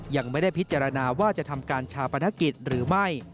ยังไม่ได้พิจารณาว่าจะทำการชาปนกิจหรือไม่